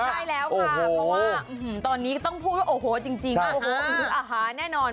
ใช่แล้วค่ะเพราะว่าตอนนี้ก็ต้องพูดว่าโอ้โหจริงโอ้โหอาหารแน่นอน